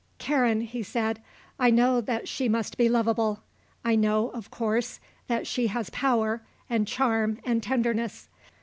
"Karen," he said, "I know that she must be lovable; I know, of course, that she has power, and charm, and tenderness.